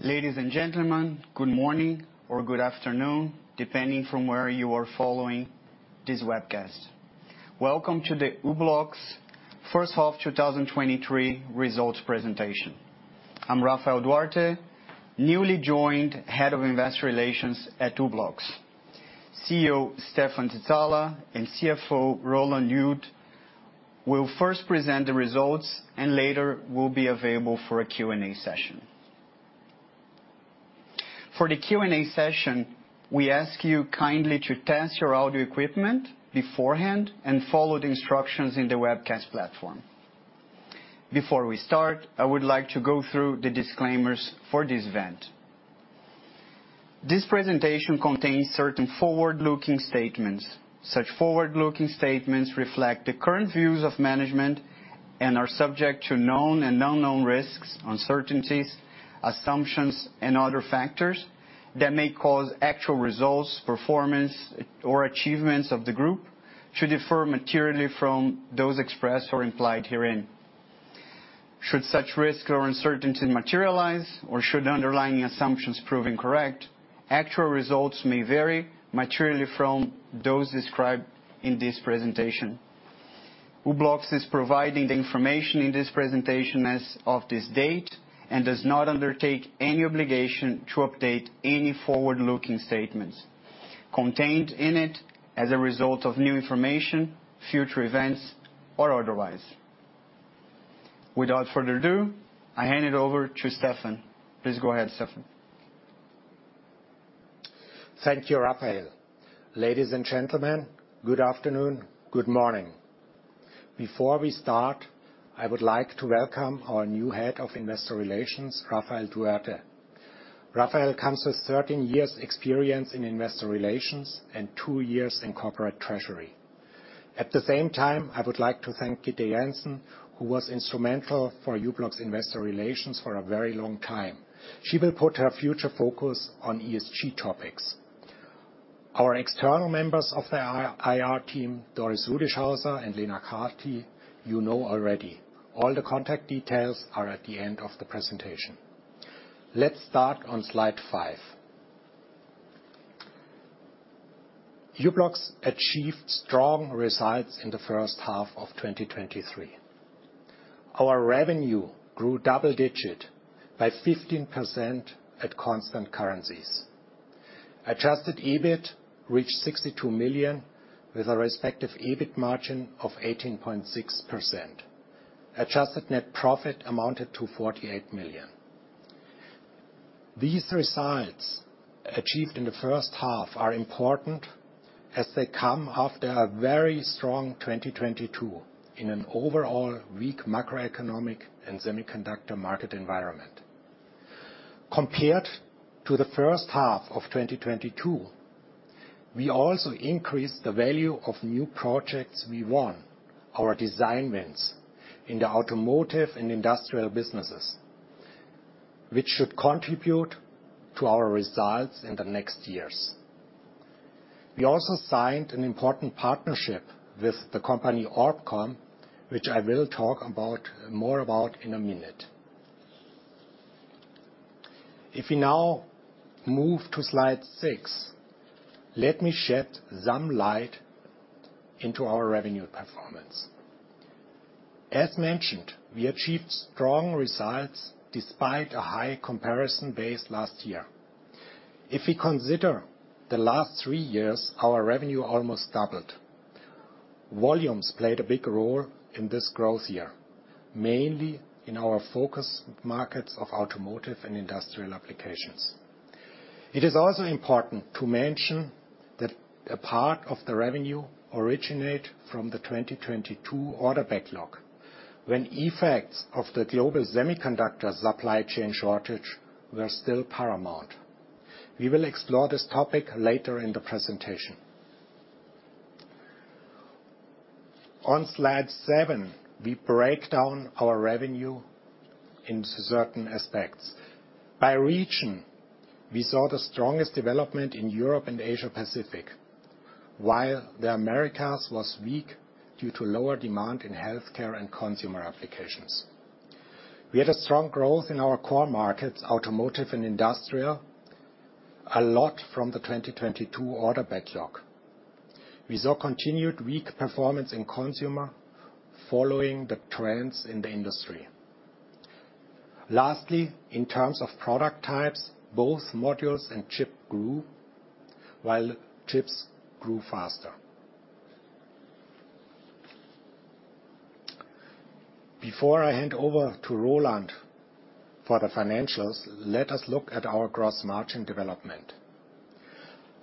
Ladies and gentlemen, good morning or good afternoon, depending from where you are following this webcast. Welcome to the u-blox first half 2023 results presentation. I'm Rafael Duarte, newly joined Head of Investor Relations at u-blox. CEO, Stephan Zizala, and CFO, Roland Jud, will first present the results, and later will be available for a Q&A session. For the Q&A session, we ask you kindly to test your audio equipment beforehand and follow the instructions in the webcast platform. Before we start, I would like to go through the disclaimers for this event. This presentation contains certain forward-looking statements. Such forward-looking statements reflect the current views of management and are subject to known and unknown risks, uncertainties, assumptions, and other factors that may cause actual results, performance, or achievements of the group should differ materially from those expressed or implied herein. Should such risk or uncertainty materialize, or should underlying assumptions prove incorrect, actual results may vary materially from those described in this presentation. u-blox is providing the information in this presentation as of this date, and does not undertake any obligation to update any forward-looking statements contained in it as a result of new information, future events, or otherwise. Without further ado, I hand it over to Stephan. Please go ahead, Stephan. Thank you, Rafael. Ladies and gentlemen, good afternoon, good morning. Before we start, I would like to welcome our new Head of Investor Relations, Rafael Duarte. Rafael comes with 13 years experience in investor relations and two years in corporate treasury. At the same time, I would like to thank Gitta Jansen, who was instrumental for u-blox Investor Relations for a very long time. She will put her future focus on ESG topics. Our external members of the IR, IR team, Doris Rudischhauser and Lena Cati, you know already. All the contact details are at the end of the presentation. Let's start on slide five. u-blox achieved strong results in the first half of 2023. Our revenue grew double digit by 15% at constant currencies. Adjusted EBIT reached 62 million, with a respective EBIT margin of 18.6%. Adjusted net profit amounted to 48 million. These results, achieved in the first half, are important, as they come after a very strong 2022, in an overall weak macroeconomic and semiconductor market environment. Compared to the first half of 2022, we also increased the value of new projects we won, our design wins, in the automotive and industrial businesses, which should contribute to our results in the next years. We also signed an important partnership with the company Orbcomm, which I will talk about, more about in a minute. If we now move to slide six, let me shed some light into our revenue performance. As mentioned, we achieved strong results despite a high comparison base last year. If we consider the last three years, our revenue almost doubled. Volumes played a big role in this growth year, mainly in our focus markets of automotive and industrial applications. It is also important to mention that a part of the revenue originate from the 2022 order backlog, when effects of the global semiconductor supply chain shortage were still paramount. We will explore this topic later in the presentation. On slide seven, we break down our revenue into certain aspects. By region, we saw the strongest development in Europe and Asia Pacific, while the Americas was weak due to lower demand in healthcare and consumer applications. We had a strong growth in our core markets, automotive and industrial, a lot from the 2022 order backlog. We saw continued weak performance in consumer, following the trends in the industry. Lastly, in terms of product types, both modules and chip grew, while chips grew faster. Before I hand over to Roland for the financials, let us look at our gross margin development.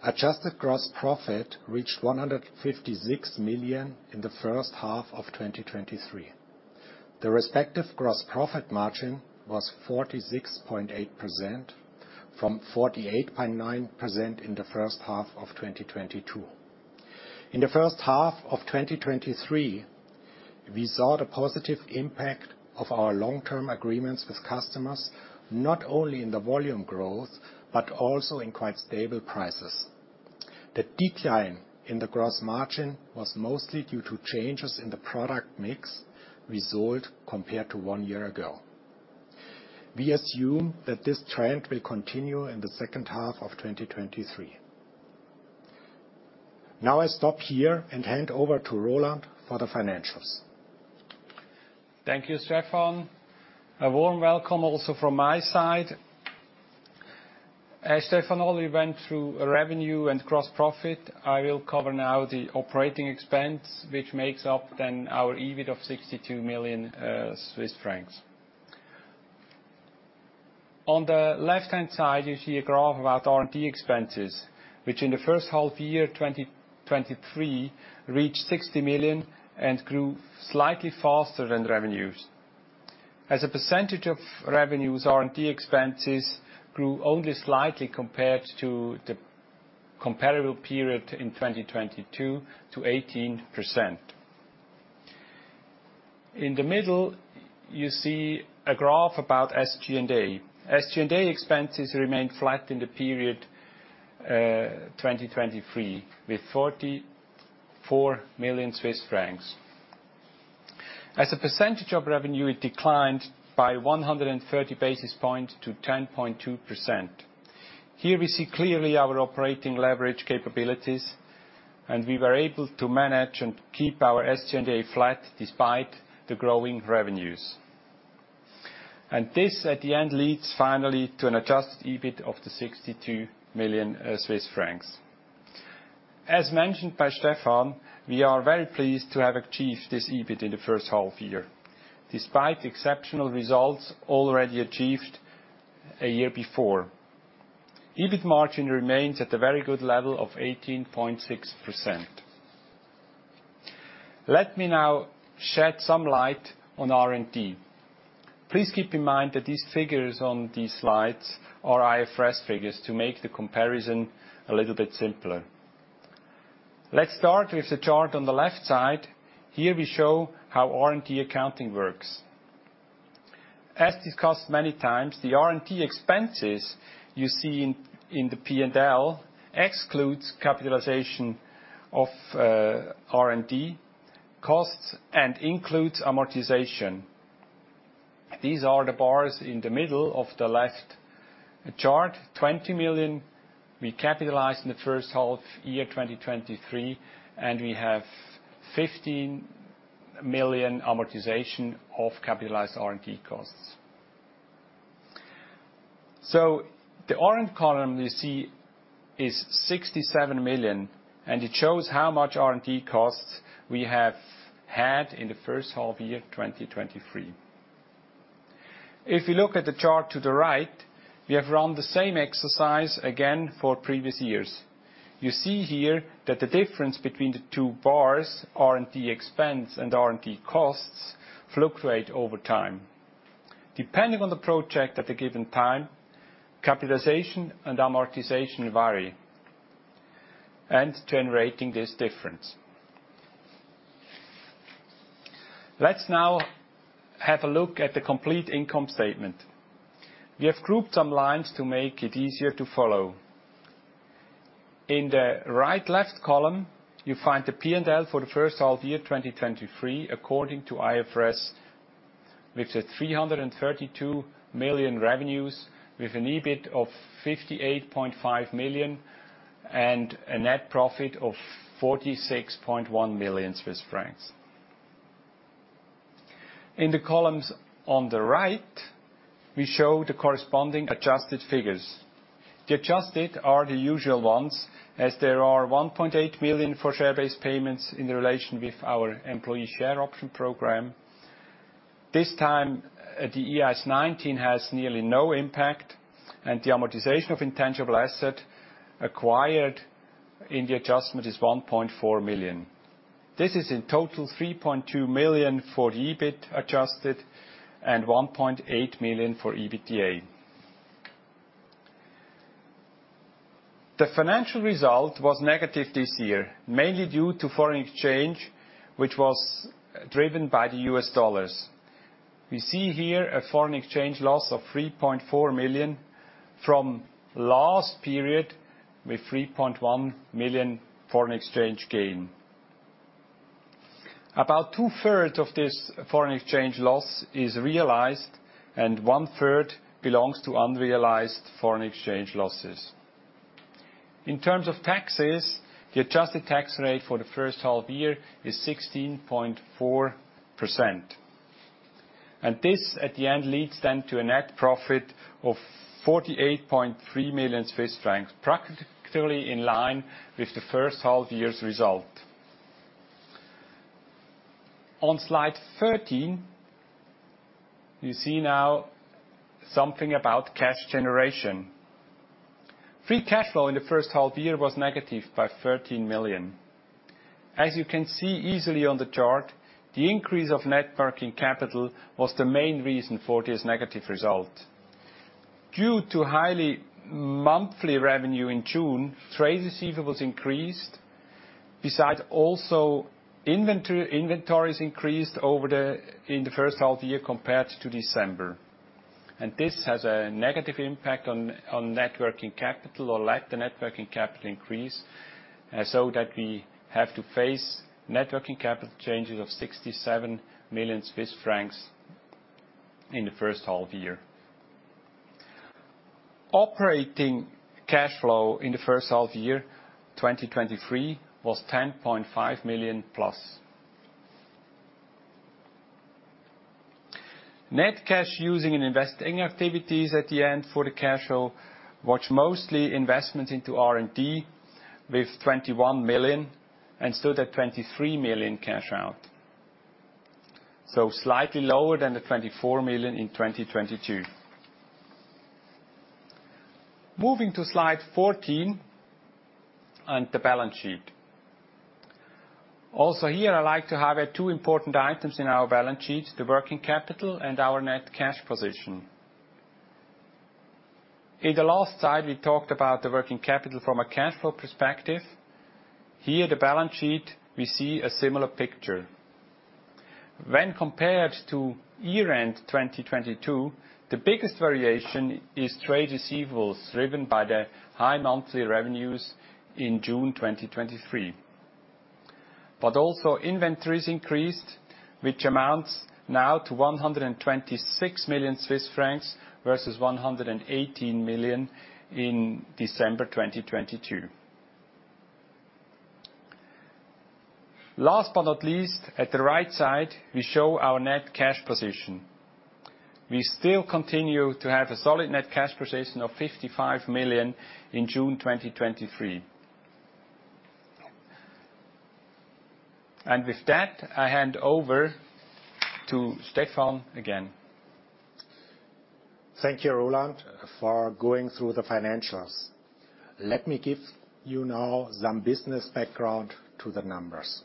Adjusted gross profit reached 156 million in H1 2023. The respective gross profit margin was 46.8%, from 48.9% in H1 2022. In H1 2023, we saw the positive impact of our long-term agreements with customers, not only in the volume growth, but also in quite stable prices. The decline in the gross margin was mostly due to changes in the product mix we sold compared to one year ago. We assume that this trend will continue in H2 2023. Now I stop here and hand over to Roland for the financials. Thank you, Stephan. A warm welcome also from my side. As Stephan already went through revenue and gross profit, I will cover now the operating expense, which makes up then our EBIT of 62 million Swiss francs. On the left-hand side, you see a graph about R&D expenses, which in H1 2023, reached 60 million and grew slightly faster than revenues. As a percentage of revenues, R&D expenses grew only slightly compared to the comparable period in 2022 to 18%. In the middle, you see a graph about SG&A. SG&A expenses remained flat in the period 2023, with 44 million Swiss francs. As a percentage of revenue, it declined by 130 basis points to 10.2%. Here we see clearly our operating leverage capabilities, we were able to manage and keep our SG&A flat despite the growing revenues. This, at the end, leads finally to an adjusted EBIT of the 62 million Swiss francs. As mentioned by Stephan, we are very pleased to have achieved this EBIT in the first half year, despite exceptional results already achieved a year before. EBIT margin remains at a very good level of 18.6%. Let me now shed some light on R&D. Please keep in mind that these figures on these slides are IFRS figures to make the comparison a little bit simpler. Let's start with the chart on the left side. Here we show how R&D accounting works. As discussed many times, the R&D expenses you see in the P&L excludes capitalization of R&D costs and includes amortization. These are the bars in the middle of the left chart. 20 million we capitalized in the first half year, 2023, and we have 15 million amortization of capitalized R&D costs. The orange column you see is 67 million, and it shows how much R&D costs we have had in the first half year of 2023. If you look at the chart to the right, we have run the same exercise again for previous years. You see here that the difference between the two bars, R&D expense and R&D costs, fluctuate over time. Depending on the project at a given time, capitalization and amortization vary, and generating this difference. Let's now have a look at the complete income statement. We have grouped some lines to make it easier to follow. In the right left column, you find the P&L for the first half year, 2023, according to IFRS, with the 332 million revenues, with an EBIT of 58.5 million, and a net profit of 46.1 million Swiss francs. In the columns on the right, we show the corresponding adjusted figures. The adjusted are the usual ones, as there are 1.8 million for share-based payments in relation with our employee share option program. This time, the IAS 19 has nearly no impact, and the amortization of intangible asset acquired in the adjustment is 1.4 million. This is in total 3.2 million for the EBIT adjusted and 1.8 million for EBITDA. The financial result was negative this year, mainly due to foreign exchange, which was driven by the U.S. dollar. We see here a foreign exchange loss of 3.4 million from last period, with 3.1 million foreign exchange gain. About two-thirds of this foreign exchange loss is realized, and one-third belongs to unrealized foreign exchange losses. In terms of taxes, the adjusted tax rate for the first half year is 16.4%. This, at the end, leads then to a net profit of 48.3 million Swiss francs, practically in line with the first half year's result. On slide 13, you see now something about cash generation. Free cash flow in the first half year was negative by 13 million. As you can see easily on the chart, the increase of net working capital was the main reason for this negative result. Due to highly monthly revenue in June, trade receivables increased-... Besides, also, inventory, inventories increased in the first half year compared to December. This has a negative impact on net working capital, or lack the net working capital increase, so that we have to face net working capital changes of 67 million Swiss francs in the first half year. Operating cash flow in the first half year 2023 was CHF 10.5 million plus. Net cash using and investing activities at the end for the cash flow was mostly investments into R&D, with 21 million, and stood at 23 million cash out. Slightly lower than the 24 million in 2022. Moving to slide 14 and the balance sheet. Also here, I'd like to highlight two important items in our balance sheet, the working capital and our net cash position. In the last slide, we talked about the working capital from a cash flow perspective. Here, the balance sheet, we see a similar picture. When compared to year-end 2022, the biggest variation is trade receivables, driven by the high monthly revenues in June 2023. Also inventories increased, which amounts now to 126 million Swiss francs, versus 118 million in December 2022. Last but not least, at the right side, we show our net cash position. We still continue to have a solid net cash position of 55 million in June 2023. With that, I hand over to Stephan again. Thank you, Roland, for going through the financials. Let me give you now some business background to the numbers.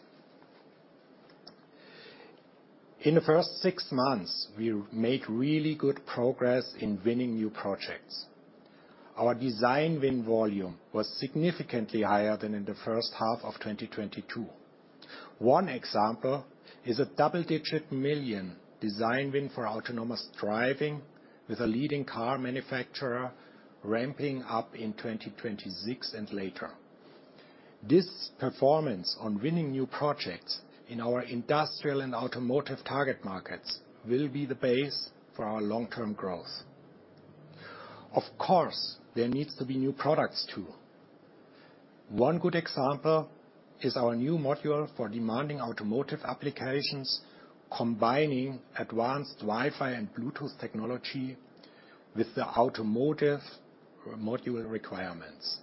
In the first six months, we made really good progress in winning new projects. Our design win volume was significantly higher than in the first half of 2022. One example is a double-digit million design win for autonomous driving with a leading car manufacturer, ramping up in 2026 and later. This performance on winning new projects in our industrial and automotive target markets will be the base for our long-term growth. Of course, there needs to be new products, too. One good example is our new module for demanding automotive applications, combining advanced Wi-Fi and Bluetooth technology with the automotive module requirements.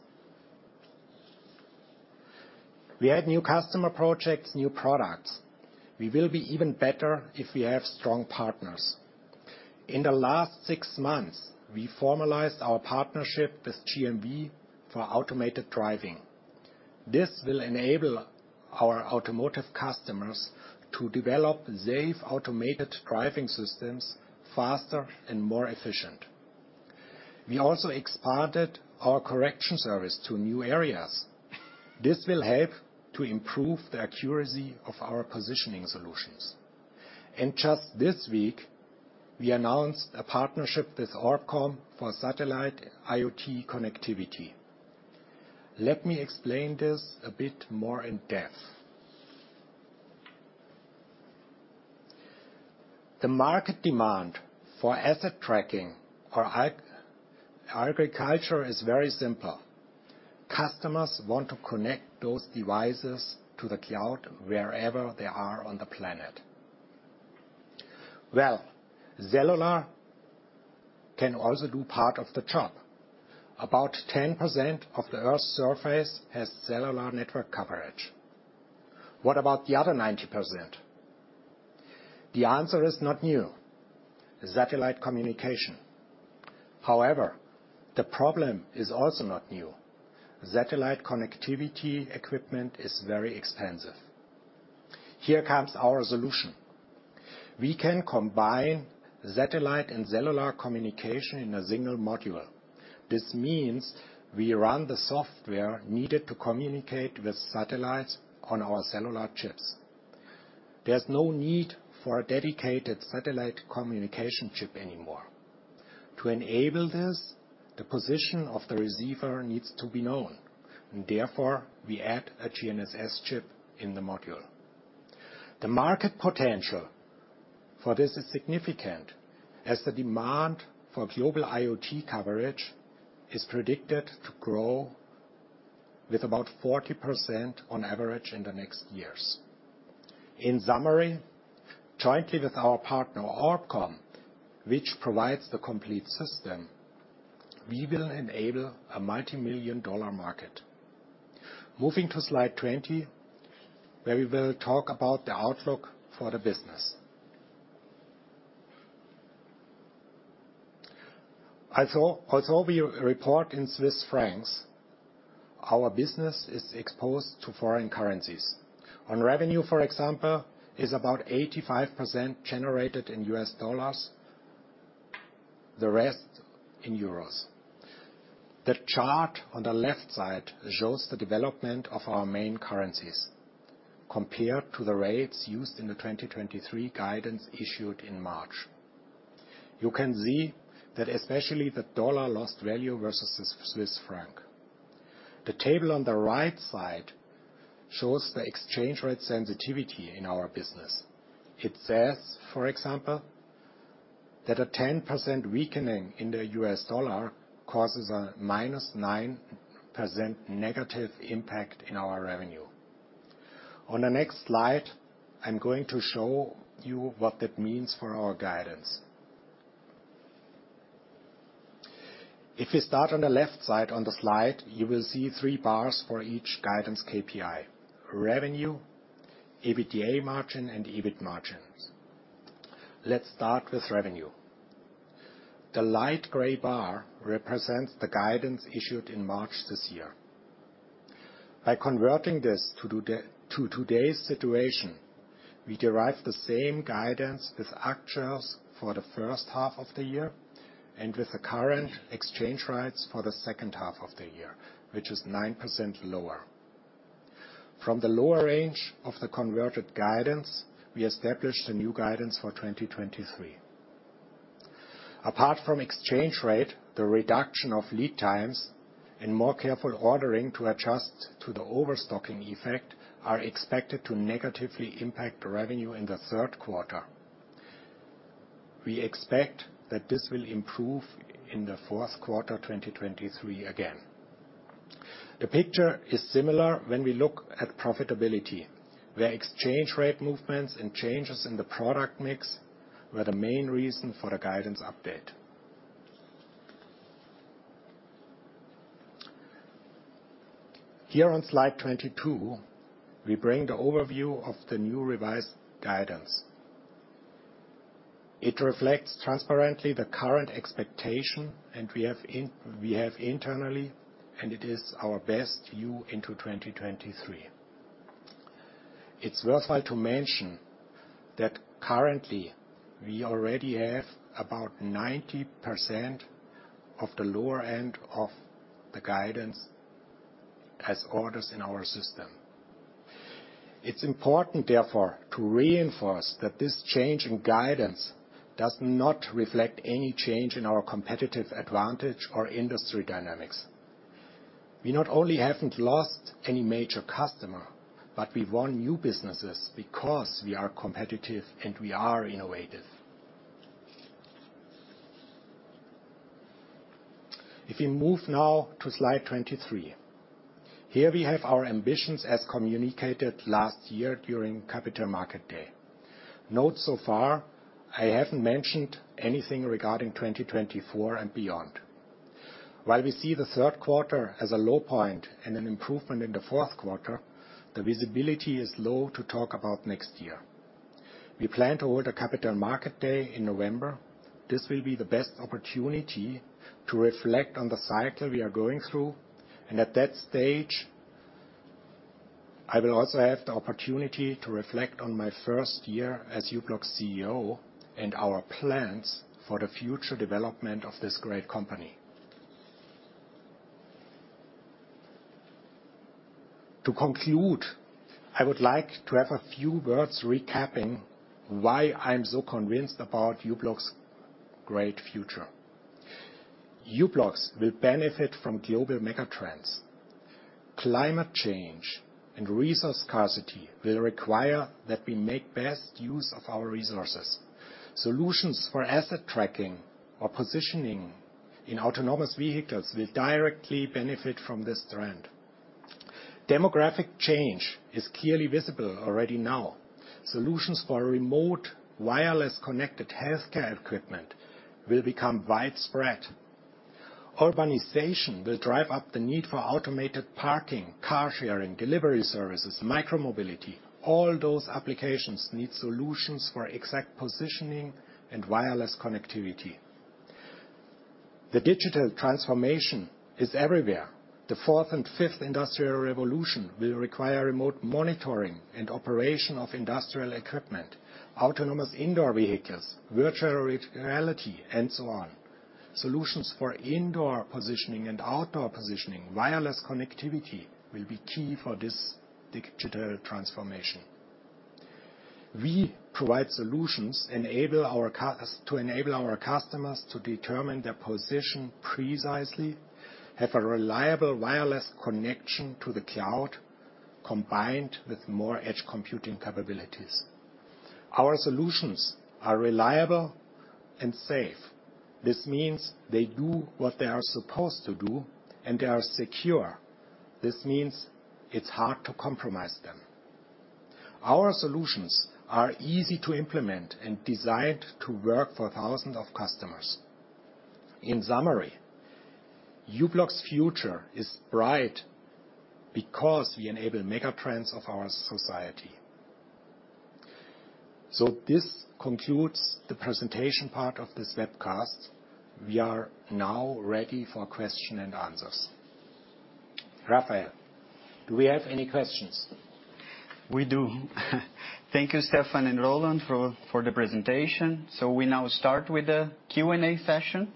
We add new customer projects, new products. We will be even better if we have strong partners. In the last six months, we formalized our partnership with GMV for automated driving. This will enable our automotive customers to develop safe, automated driving systems faster and more efficient. We also expanded our correction service to new areas. This will help to improve the accuracy of our positioning solutions. Just this week, we announced a partnership with Orbcomm for satellite IoT connectivity. Let me explain this a bit more in depth. The market demand for asset tracking or agriculture is very simple. Customers want to connect those devices to the cloud wherever they are on the planet. Well, cellular can also do part of the job. About 10% of the Earth's surface has cellular network coverage. What about the other 90%? The answer is not new: satellite communication. However, the problem is also not new. Satellite connectivity equipment is very expensive. Here comes our solution. We can combine satellite and cellular communication in a single module. This means we run the software needed to communicate with satellites on our cellular chips. There's no need for a dedicated satellite communication chip anymore. To enable this, the position of the receiver needs to be known, and therefore, we add a GNSS chip in the module. The market potential for this is significant, as the demand for global IoT coverage is predicted to grow with about 40% on average in the next years. In summary, jointly with our partner, Orbcomm, which provides the complete system, we will enable a multi-million dollar market. Moving to slide 20, where we will talk about the outlook for the business. Although we report in Swiss francs, our business is exposed to foreign currencies. On revenue, for example, is about 85% generated in U.S. dollars, the rest in euros. The chart on the left side shows the development of our main currencies compared to the rates used in the 2023 guidance issued in March. You can see that especially the U.S. dollar lost value versus the Swiss franc. The table on the right side shows the exchange rate sensitivity in our business. It says, for example, that a 10% weakening in the U.S. dollar causes a -9% negative impact in our revenue. On the next slide, I'm going to show you what that means for our guidance. If you start on the left side on the slide, you will see three bars for each guidance KPI: revenue, EBITDA margin, and EBIT margins. Let's start with revenue. The light gray bar represents the guidance issued in March this year. By converting this to today's situation, we derive the same guidance with actuals for the first half of the year, and with the current exchange rates for the second half of the year, which is 9% lower. From the lower range of the converted guidance, we established a new guidance for 2023. Apart from exchange rate, the reduction of lead times and more careful ordering to adjust to the overstocking effect, are expected to negatively impact revenue in Q3. We expect that this will improve in Q4 2023 again. The picture is similar when we look at profitability, where exchange rate movements and changes in the product mix were the main reason for the guidance update. Here on slide 22, we bring the overview of the new revised guidance. It reflects transparently the current expectation. We have internally, and it is our best view into 2023. It's worthwhile to mention that currently, we already have about 90% of the lower end of the guidance as orders in our system. It's important, therefore, to reinforce that this change in guidance does not reflect any change in our competitive advantage or industry dynamics. We not only haven't lost any major customer, but we won new businesses because we are competitive and we are innovative. If we move now to slide 23. Here we have our ambitions as communicated last year during Capital Market Day. Note so far, I haven't mentioned anything regarding 2024 and beyond. While we see the third quarter as a low point and an improvement in the fourth quarter, the visibility is low to talk about next year. We plan to hold a Capital Market Day in November. This will be the best opportunity to reflect on the cycle we are going through, and at that stage, I will also have the opportunity to reflect on my first year as u-blox CEO, and our plans for the future development of this great company. To conclude, I would like to have a few words recapping why I'm so convinced about u-blox's great future. U-blox will benefit from global mega trends. Climate change and resource scarcity will require that we make best use of our resources. Solutions for asset tracking or positioning in autonomous vehicles will directly benefit from this trend. Demographic change is clearly visible already now. Solutions for remote, wireless, connected healthcare equipment will become widespread. Urbanization will drive up the need for automated parking, car sharing, delivery services, micro mobility. All those applications need solutions for exact positioning and wireless connectivity. The digital transformation is everywhere. The fourth and fifth industrial revolution will require remote monitoring and operation of industrial equipment, autonomous indoor vehicles, virtual reality, and so on. Solutions for indoor positioning and outdoor positioning, wireless connectivity, will be key for this digital transformation. We provide solutions, to enable our customers to determine their position precisely, have a reliable wireless connection to the cloud, combined with more edge computing capabilities. Our solutions are reliable and safe. This means they do what they are supposed to do, and they are secure. This means it's hard to compromise them. Our solutions are easy to implement and designed to work for thousands of customers. In summary, u-blox's future is bright because we enable mega trends of our society. This concludes the presentation part of this webcast. We are now ready for question and answers. Rafael, do we have any questions? We do. Thank you, Stephan and Roland, for the presentation. We now start with the Q&A session.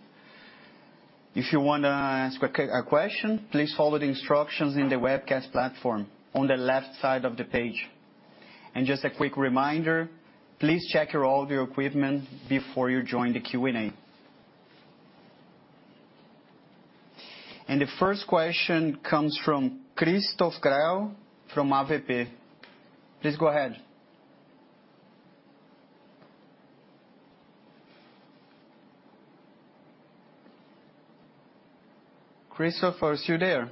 If you wanna ask a question, please follow the instructions in the webcast platform on the left side of the page. Just a quick reminder, please check your audio equipment before you join the Q&A. The first question comes from Christoph Greil from AWP. Please go ahead. Christoph, are you there?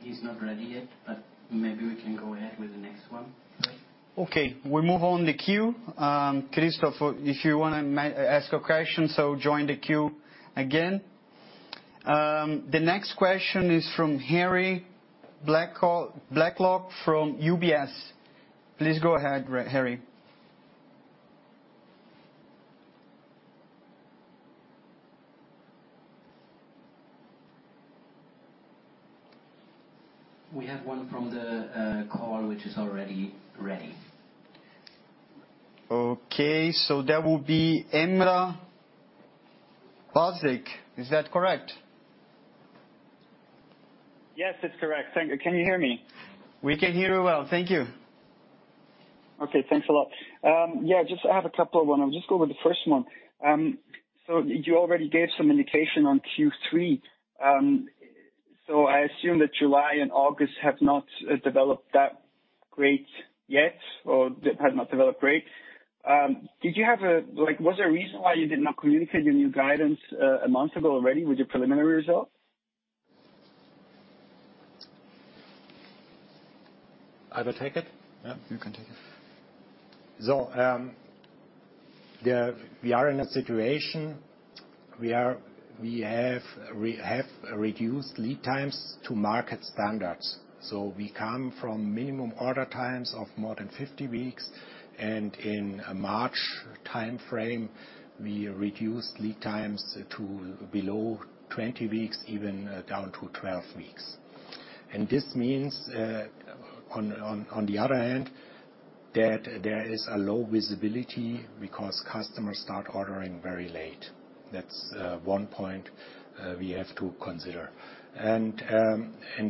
He's not ready yet, but maybe we can go ahead with the next one. Okay, we move on the queue. Christoph, if you wanna ask a question, join the queue again. The next question is from Harry Blaiklock, Blaiklock from UBS. Please go ahead, Harry. We have one from the call, which is already ready. Okay, that will be Emrah Basic. Is that correct? Yes, that's correct. Thank you. Can you hear me? We can hear you well. Thank you. Okay, thanks a lot. Yeah, just I have a couple of one. I'll just go with the first one. You already gave some indication on Q3. I assume that July and August have not developed that great yet, or they have not developed great. Like, was there a reason why you did not communicate your new guidance a month ago already with your preliminary results? I will take it? Yeah, you can take it. We are in a situation, we have, we have reduced lead times to market standards. So we come from minimum order times of more than 50 weeks, and in a March timeframe, we reduced lead times to below 20 weeks, even, down to 12 weeks. This means, on the other hand, that there is a low visibility because customers start ordering very late. That's one point we have to consider. And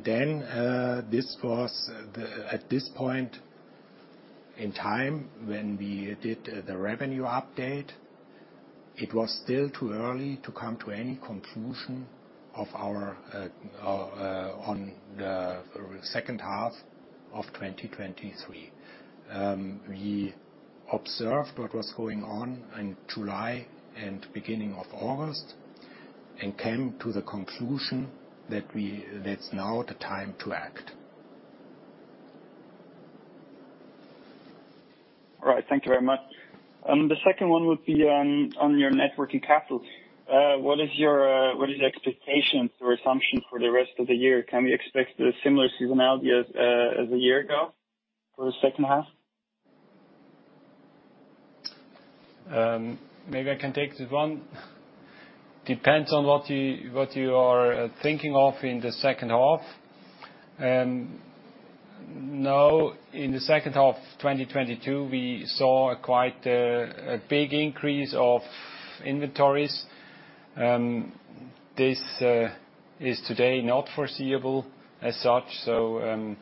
then, this was at this point in time, when we did the revenue update, it was still too early to come to any conclusion of our on the second half of 2023. We observed what was going on in July and beginning of August and came to the conclusion that's now the time to act. All right. Thank you very much. The second one would be on, on your net working capital. What is your, what is the expectation or assumption for the rest of the year? Can we expect a similar seasonality as, as a year ago for the second half? Maybe I can take this one. Depends on what you, what you are thinking of in the second half. Now, in the second half of 2022, we saw a quite a big increase of inventories. This is today not foreseeable as such, so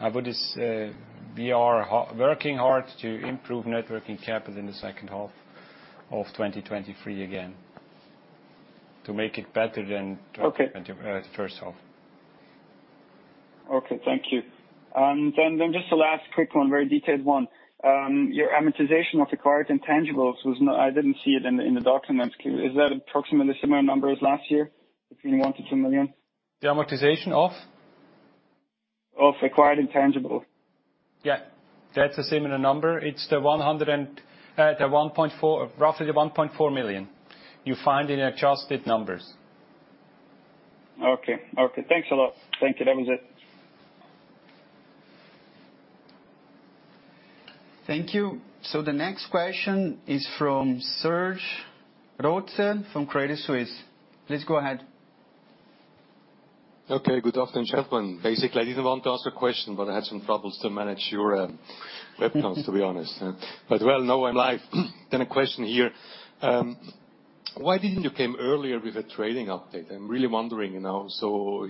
I would just, we are working hard to improve net working capital in the second half of 2023 again, to make it better than- Okay. The first half. Okay, thank you. Then just the last quick one, very detailed one. Your amortization of acquired intangibles was not, I didn't see it in the document. Is that approximately the same number as last year, between 1 million-2 million? The amortization of? Of acquired intangibles. Yeah, that's a similar number. It's the 1.4, roughly the 1.4 million you find in adjusted numbers. Okay. Okay, thanks a lot. Thank you. That was it. Thank you. The next question is from Serge Rotzer from Credit Suisse. Please go ahead. Okay, good afternoon, gentlemen. Basically, I didn't want to ask a question, but I had some troubles to manage your webcast, to be honest. Well, now I'm live. A question here, why didn't you came earlier with a trading update? I'm really wondering, you know.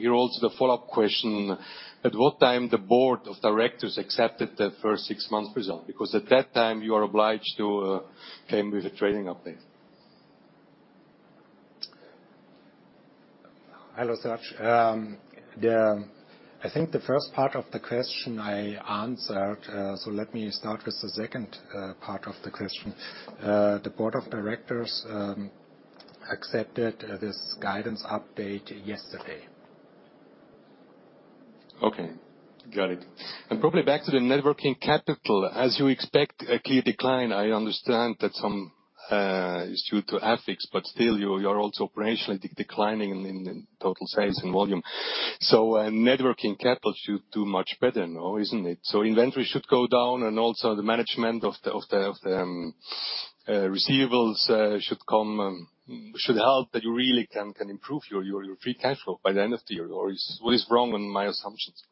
Here also the follow-up question, at what time the board of directors accepted the first six months result? Because at that time, you are obliged to came with a trading update. Hello, Serge. I think the first part of the question I answered. Let me start with the second part of the question. The board of directors accepted this guidance update yesterday. Okay, got it. Probably back to the net working capital, as you expect a key decline, I understand that some is due to FX, but still, you- you're also operationally de- declining in, in total sales and volume. Net working capital should do much better now, isn't it? Inventory should go down, and also the management of the, of the, of the receivables should come, should help that you really can, can improve your, your, your free cash flow by the end of the year, or is, what is wrong in my assumptions?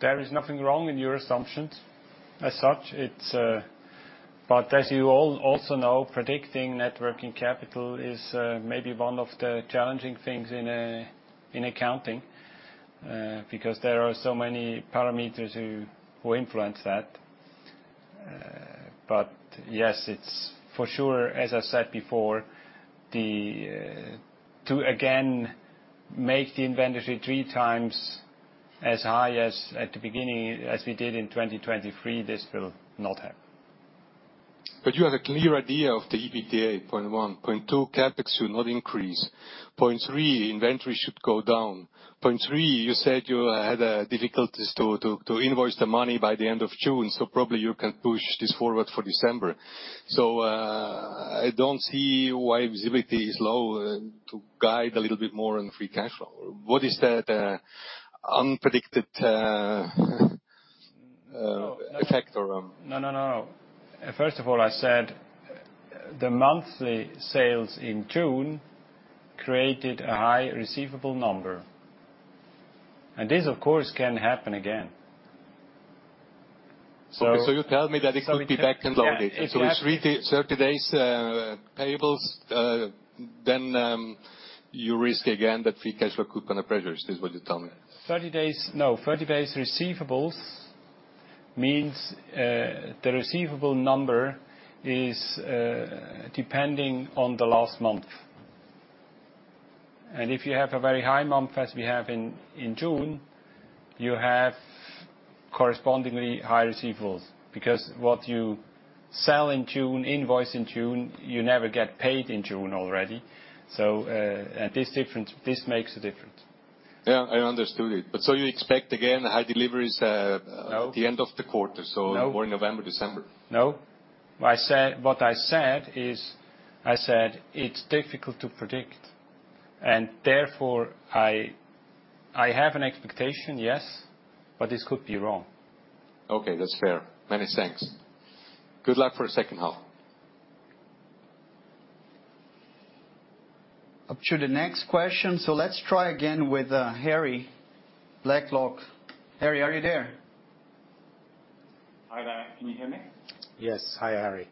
There is nothing wrong in your assumptions, as such. It's, as you also know, predicting net working capital is, maybe one of the challenging things in, in accounting, because there are so many parameters who, who influence that. Yes, it's for sure, as I said before, the, to again, make the inventory 3x as high as at the beginning, as we did in 2023, this will not happen. You have a clear idea of the EBITDA, point one, point two, CapEx should not increase, point thre, inventory should go down, point three, you said you had difficulties to, to, to invoice the money by the end of June, so probably you can push this forward for December. I don't see why visibility is low to guide a little bit more on free cash flow. What is that unpredicted effect or? No, no, no, no. First of all, I said, the monthly sales in June created a high receivable number. This, of course, can happen again. You tell me that it could be back and loaded. Yeah. It's 30, 30 days, payables, then, you risk again, that free cash flow could come under pressure. Is this what you're telling me? 30 days, No, 30 days receivables means, the receivable number is depending on the last month. If you have a very high month, as we have in June, you have correspondingly high receivables, because what you sell in June, invoice in June, you never get paid in June already. This difference, this makes a difference. Yeah, I understood it. You expect again, high deliveries? No. The end of the quarter. No. Or November, December? No. What I said is, I said, "It's difficult to predict," and therefore, I have an expectation, yes, but this could be wrong. Okay, that's fair. Many thanks. Good luck for the second half. Up to the next question. Let's try again with, Harry Blaiklock. Harry, are you there? Hi there. Can you hear me? Yes. Hi, Harry.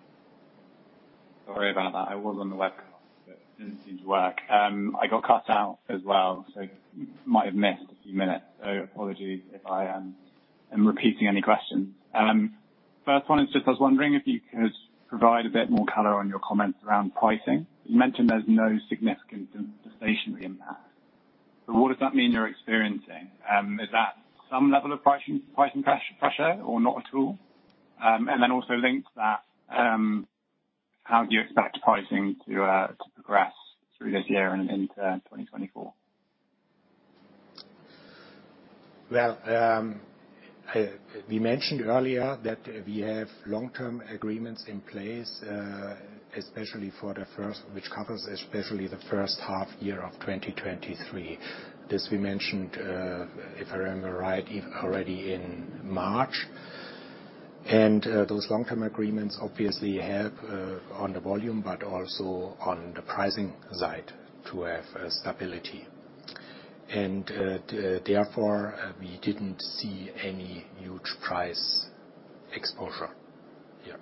Sorry about that. I was on the webcast, but it didn't seem to work. I got cut out as well, so you might have missed a few minutes. Apologies if I am repeating any questions. First one is just, I was wondering if you could provide a bit more color on your comments around pricing. You mentioned there's no significant inflationary impact. What does that mean you're experiencing? Is that some level of pricing, pricing press- pressure, or not at all? Also link that, how do you expect pricing to progress through this year and into 2024? Well, we mentioned earlier that we have long-term agreements in place, especially for the first, which covers especially the first half year of 2023. This we mentioned, if I remember right, even already in March. Those long-term agreements obviously help on the volume, but also on the pricing side, to have stability. Therefore, we didn't see any huge price exposure. Yeah.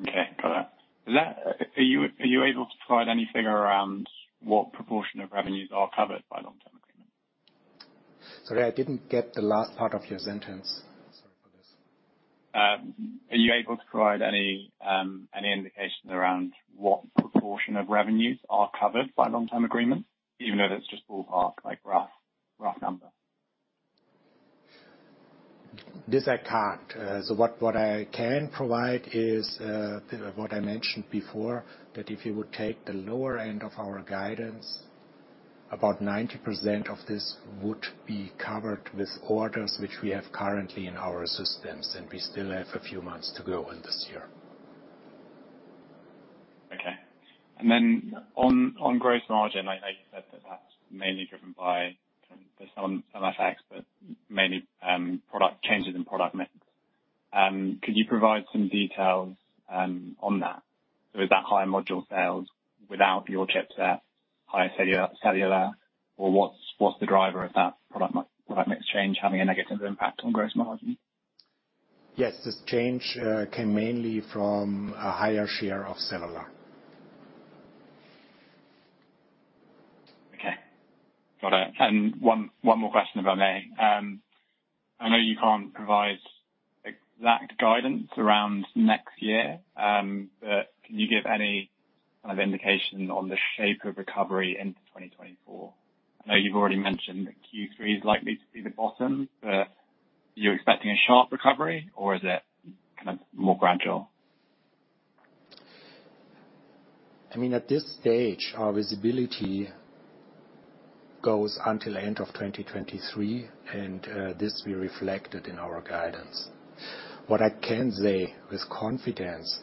Okay. Got it. Are you able to provide any figure around what proportion of revenues are covered by long-term agreement? Sorry, I didn't get the last part of your sentence. Sorry for this. Are you able to provide any, any indications around what proportion of revenues are covered by long-term agreements, even if it's just ballpark, like, rough, rough number? This I can't. What I can provide is, what I mentioned before, that if you would take the lower end of our guidance, about 90% of this would be covered with orders which we have currently in our systems, and we still have a few months to go in this year. Okay. Then on, on gross margin, I, I accept that that's mainly driven by some, some effects, but mainly, changes in product mix. Could you provide some details on that? Is that high module sales without your chip set, higher cellular, cellular, or what's, what's the driver of that product mix change having a negative impact on gross margin? Yes. This change came mainly from a higher share of cellular. Okay. Got it. One, one more question, if I may. I know you can't provide exact guidance around next year, but can you give any kind of indication on the shape of recovery into 2024? I know you've already mentioned that Q3 is likely to be the bottom, but are you expecting a sharp recovery or is it kind of more gradual? I mean, at this stage, our visibility goes until end of 2023, and this we reflected in our guidance.... What I can say with confidence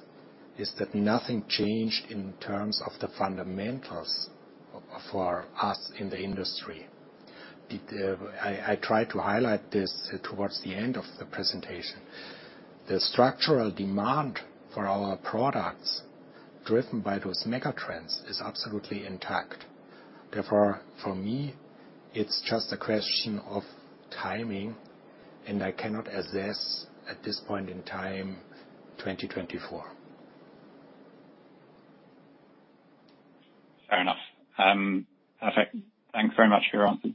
is that nothing changed in terms of the fundamentals for us in the industry. The, I, I tried to highlight this towards the end of the presentation. The structural demand for our products, driven by those mega trends, is absolutely intact. Therefore, for me, it's just a question of timing, and I cannot assess, at this point in time, 2024. Fair enough. Perfect. Thanks very much for your answer.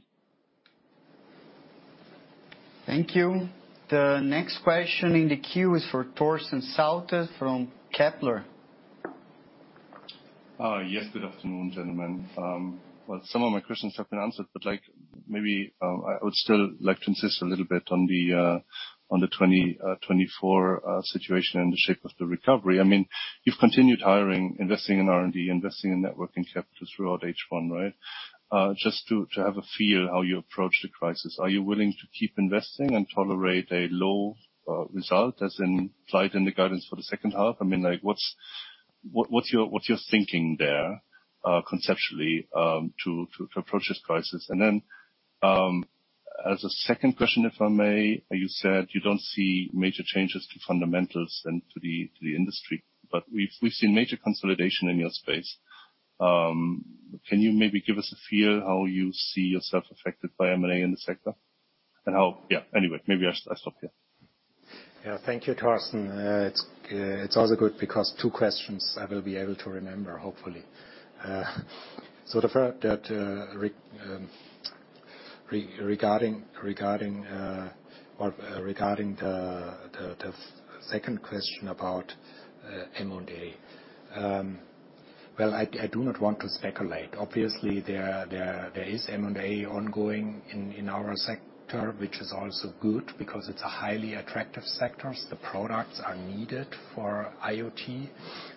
Thank you. The next question in the queue is for Torsten Sauter from Kepler. Yes, good afternoon, gentlemen. Well, some of my questions have been answered, but, like, maybe, I would still like to insist a little bit on the 2024 situation and the shape of the recovery. I mean, you've continued hiring, investing in R&D, investing in net working capital throughout H1, right? Just to, to have a feel how you approach the crisis, are you willing to keep investing and tolerate a low result, as implied in the guidance for the second half? I mean, like, what's, what, what's your, what's your thinking there, conceptually, to, to, to approach this crisis? Then, as a second question, if I may, you said you don't see major changes to fundamentals and to the, to the industry, but we've, we've seen major consolidation in your space. Can you maybe give us a feel how you see yourself affected by M&A in the sector and how... Yeah. Anyway, maybe I, I stop here. Yeah. Thank you, Torsten. It's it's also good because two questions I will be able to remember, hopefully. The first that regarding, regarding, or regarding the, the, the second question about M&A. Well, I, I do not want to speculate. Obviously, there, there, there is M&A ongoing in, in our sector, which is also good because it's a highly attractive sectors. The products are needed for IoT.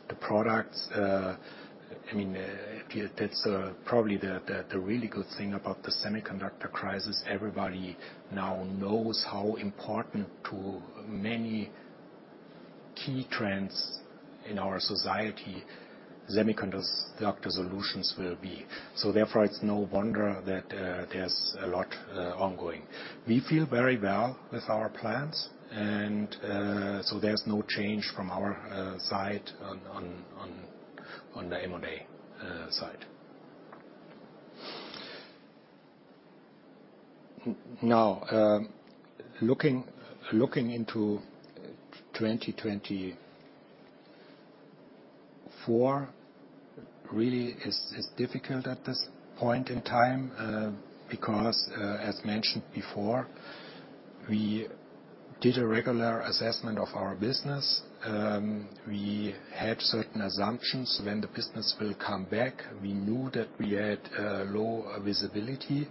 The products, I mean, that's probably the, the, the really good thing about the semiconductor crisis, everybody now knows how important to many key trends in our society semiconductor solutions will be. So therefore, it's no wonder that there's a lot ongoing. We feel very well with our plans, and so there's no change from our side on, on, on, on the M&A side. Now, looking, looking into 2024 really is, is difficult at this point in time, because, as mentioned before, we did a regular assessment of our business. We had certain assumptions when the business will come back. We knew that we had low visibility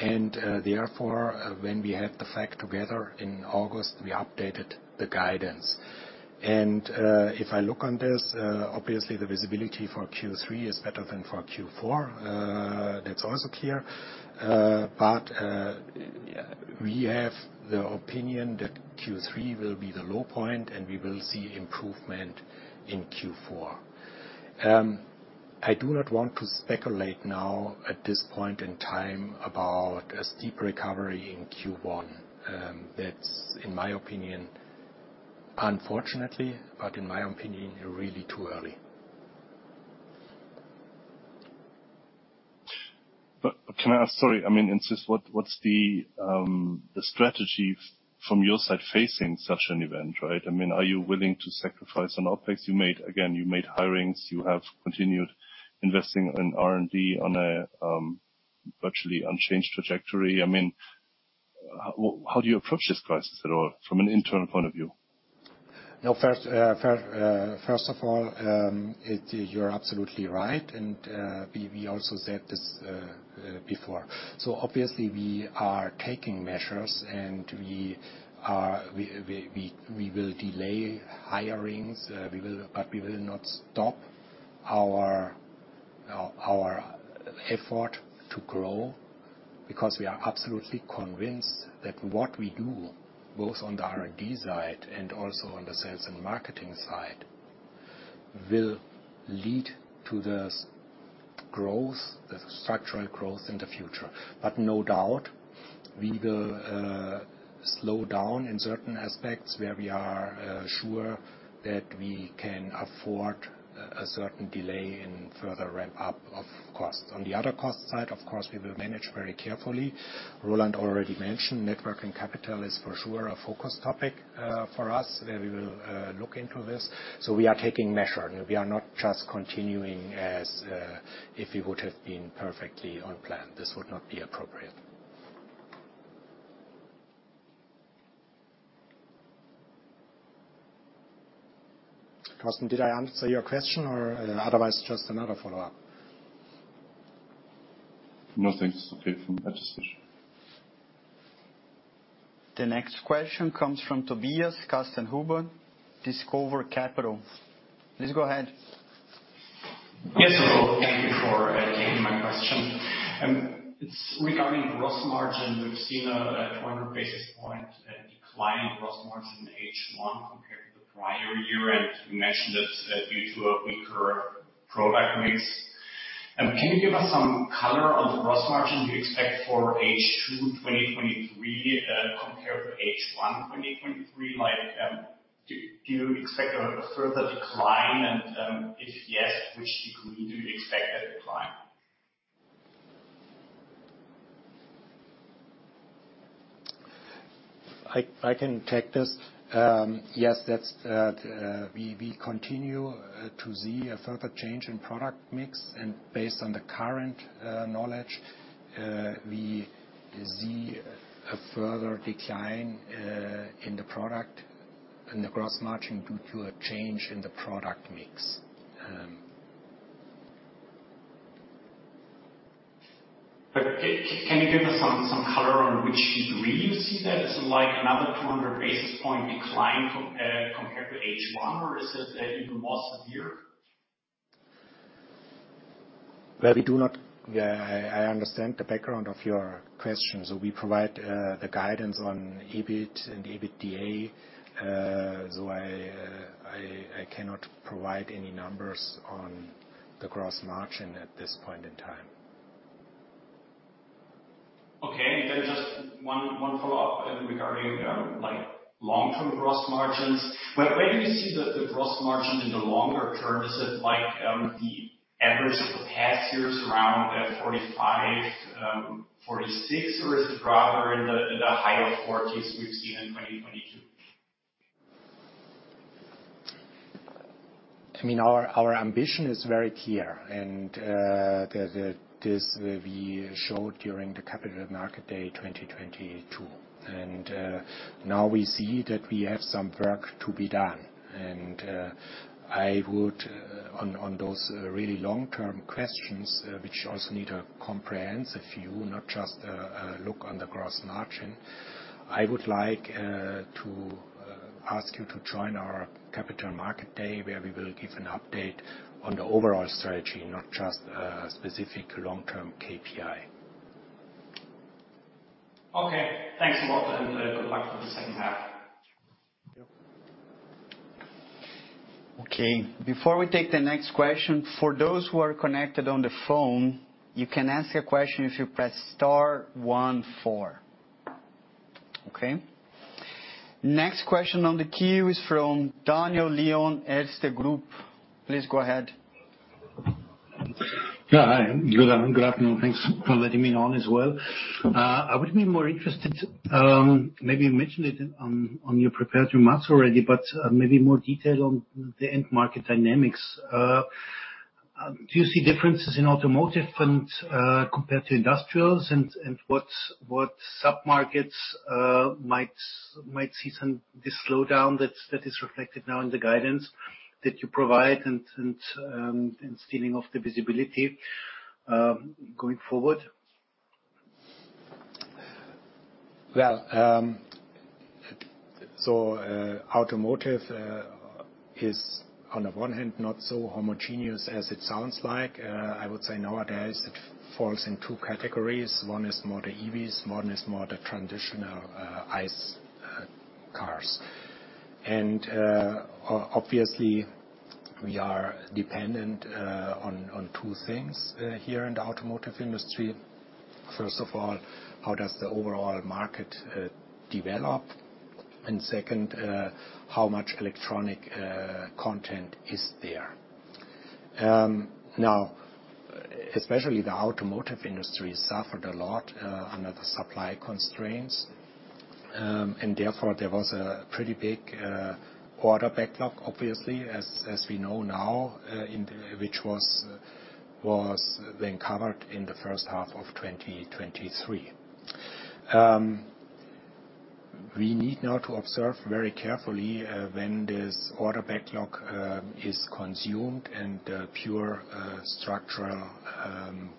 and, therefore, when we had the fact together in August, we updated the guidance. If I look on this, obviously, the visibility for Q3 is better than for Q4. That's also clear. We have the opinion that Q3 will be the low point, and we will see improvement in Q4. I do not want to speculate now at this point in time about a steep recovery in Q1. That's, in my opinion, unfortunately, but in my opinion, really too early. Can I ask... Sorry, I mean, insist, what's the strategy from your side facing such an event, right? I mean, are you willing to sacrifice on OpEx? You made, again, you made hirings, you have continued investing in R&D on a, virtually unchanged trajectory. I mean, how do you approach this crisis at all from an internal point of view? First, first, first of all, it, you're absolutely right, and we, we also said this before. Obviously, we are taking measures, and we, we, we, we will delay hirings, we will-- but we will not stop our, our, our effort to grow because we are absolutely convinced that what we do, both on the R&D side and also on the sales and marketing side, will lead to the growth, the structural growth in the future. No doubt, we will slow down in certain aspects where we are sure that we can afford a certain delay in further ramp up of costs. On the other cost side, of course, we will manage very carefully. Roland already mentioned net working capital is for sure a focus topic for us, where we will look into this. We are taking measure. We are not just continuing as if we would have been perfectly on plan. This would not be appropriate. Torsten, did I answer your question or otherwise, just another follow-up? No, thanks. It's okay from my decision. The next question comes from Tobias Kastenhuber, Discover Capital. Please go ahead. Yes, thank you for taking my question. It's regarding gross margin. We've seen a 200 basis point decline in gross margin in H1 compared to the prior year, and you mentioned that's due to a weaker product mix. Can you give us some color on the gross margin you expect for H2 2023 compared to H1 2023? Like, do you expect a further decline? And, if yes, which degree do you expect that decline? I, I can take this. Yes, we continue to see a further change in product mix, and based on the current knowledge, we see a further decline in the gross margin, due to a change in the product mix. Can you give us some, some color on which degree you see that? Is it like another 200 basis point decline compared to H1, or is it even more severe? Well, Yeah, I, I understand the background of your question. We provide the guidance on EBIT and EBITDA, I, I, I cannot provide any numbers on the gross margin at this point in time. Okay, just one, one follow-up, like, long-term gross margins. Where, where do you see the, the gross margin in the longer term? Is it like, the average of the past years around 45, 46, or is it rather in the, in the higher forties we've seen in 2022? I mean, our, our ambition is very clear, and the, the, this we showed during the Capital Market Day 2022. Now we see that we have some work to be done. I would on, on those really long-term questions, which also need a comprehensive view, not just a, a look on the gross margin. I would like to ask you to join our Capital Market Day, where we will give an update on the overall strategy, not just a specific long-term KPI. Okay. Thanks a lot, and good luck for the second half. Thank you. Okay, before we take the next question, for those who are connected on the phone, you can ask a question if you press star one, four. Okay? Next question on the queue is from Daniel Lion, Erste Group. Please go ahead. Yeah, hi. Good afternoon. Thanks for letting me on as well. I would be more interested, maybe you mentioned it on, on your prepared remarks already, but, maybe more detail on the end market dynamics. Do you see differences in automotive and, compared to industrials? And what, what submarkets, might see some, this slowdown that's, that is reflected now in the guidance that you provide, and, and, and stealing of the visibility, going forward? Well, automotive is, on the one hand, not so homogeneous as it sounds like. I would say nowadays it falls in two categories. One is more the EVs, one is more the traditional ICE cars. Obviously, we are dependent on two things here in the automotive industry. First of all, how does the overall market develop? Second, how much electronic content is there? Now, especially the automotive industry suffered a lot under the supply constraints, and therefore, there was a pretty big order backlog, obviously, as we know now, which was then covered in the first half of 2023. We need now to observe very carefully when this order backlog is consumed and pure structural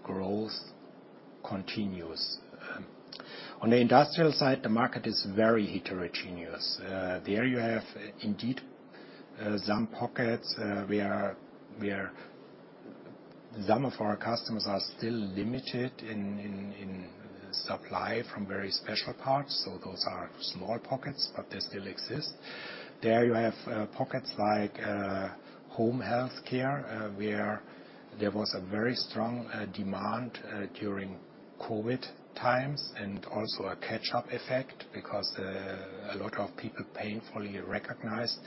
growth continues. On the industrial side, the market is very heterogeneous. There you have, indeed, some pockets, where, where some of our customers are still limited in, in, in supply from very special parts, so those are small pockets, but they still exist. There you have, pockets like, home healthcare, where there was a very strong demand during COVID times, and also a catch-up effect, because a lot of people painfully recognized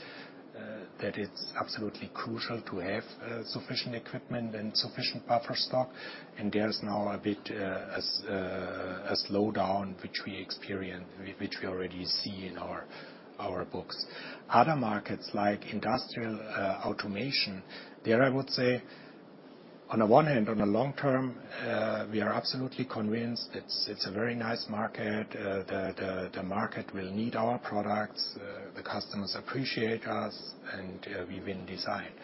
that it's absolutely crucial to have sufficient equipment and sufficient buffer stock. There's now a bit, as, a slowdown, which we experience, which we already see in our, our books. Other markets, like industrial, automation, there I would say, on the one hand, on the long term, we are absolutely convinced it's a very nice market, the market will need our products, the customers appreciate us, and we've been designed.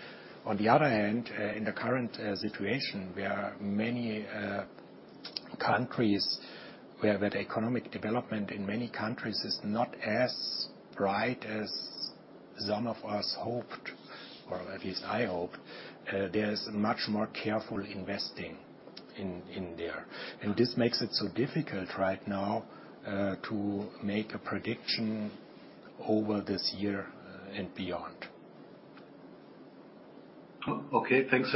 On the other hand, in the current situation, where economic development in many countries is not as bright as some of us hoped, or at least I hoped, there's much more careful investing in there. This makes it so difficult right now, to make a prediction over this year and beyond. Okay, thanks.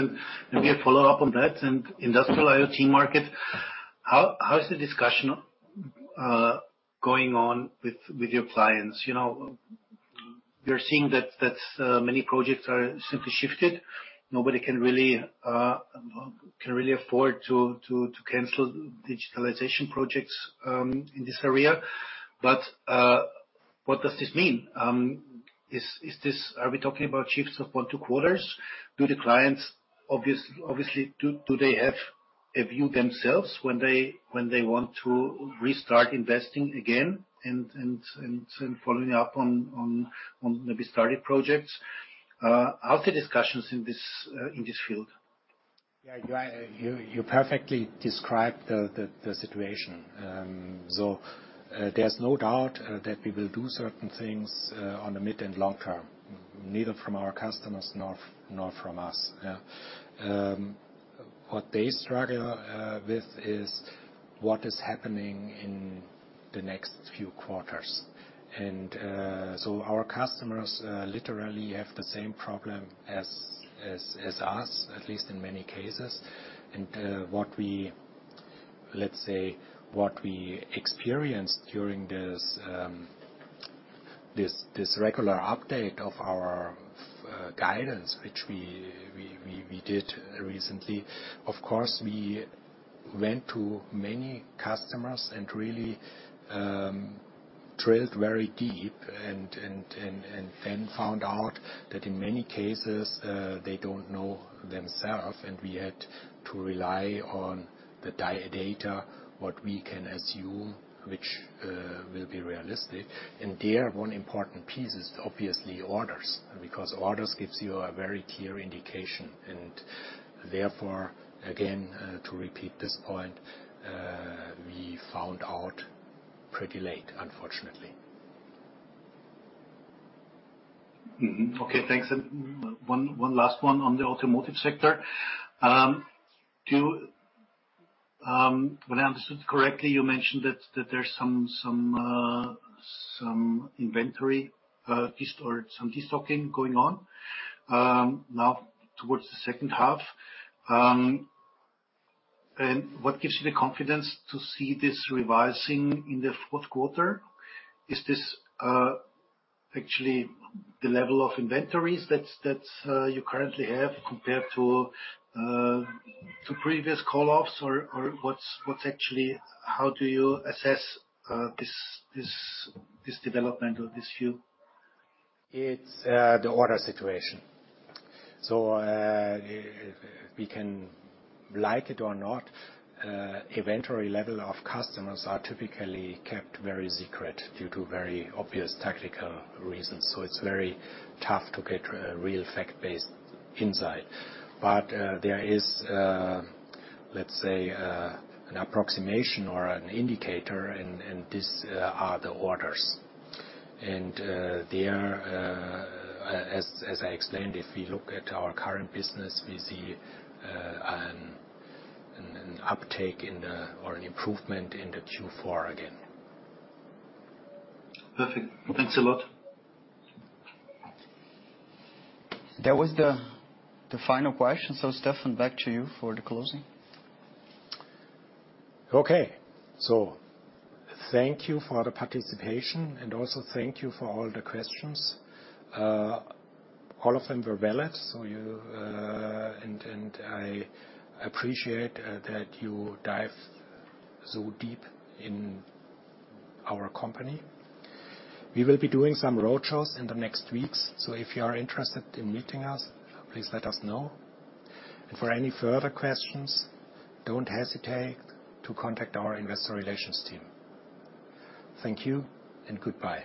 We have follow-up on that, and industrial IoT market, how is the discussion going on with your clients? You know, we are seeing that many projects are simply shifted. Nobody can really afford to cancel digitalization projects in this area. What does this mean? Is this? Are we talking about shifts of one, two quarters? Do the clients obviously have a view themselves when they want to restart investing again and following up on maybe started projects? How's the discussions in this field? Yeah, you, you, you perfectly described the, the, the situation. There's no doubt that we will do certain things on the mid and long term, neither from our customers nor, nor from us. Yeah. What they struggle with is what is happening in the next few quarters. Our customers literally have the same problem as, as, as us, at least in many cases. Let's say, what we experienced during this, this, this regular update of our guidance, which we, we, we, we did recently. Of course, we went to many customers and really drilled very deep and, and, and, and then found out that in many cases, they don't know themselves, and we had to rely on the data, what we can assume, which will be realistic. There, one important piece is obviously orders, because orders gives you a very clear indication, and therefore, again, to repeat this point, we found out pretty late, unfortunately. Okay, thanks. One, one last one on the automotive sector. When I understood correctly, you mentioned that, that there's some, some, some inventory, or some de-stocking going on, now towards the H2. What gives you the confidence to see this revising in the Q4? Is this actually the level of inventories that, that you currently have compared to previous call-offs? Or what's, how do you assess this, this, this development or this view? It's the order situation. We can, like it or not, inventory level of customers are typically kept very secret due to very obvious tactical reasons, so it's very tough to get a real fact-based insight. There is a, let's say, an approximation or an indicator, and, and these are the orders. There, as, as I explained, if we look at our current business, we see an, an uptake in the... or an improvement in the Q4 again. Perfect. Thanks a lot. That was the, the final question, so Stephan, back to you for the closing. Okay, thank you for the participation, and also thank you for all the questions. All of them were valid, so you, and I appreciate that you dive so deep in our company. We will be doing some road shows in the next weeks, so if you are interested in meeting us, please let us know. For any further questions, don't hesitate to contact our investor relations team. Thank you and goodbye.